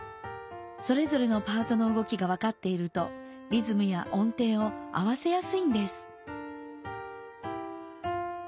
それぞれのパートのうごきが分かっているとリズムや音程を合わせやすいんです。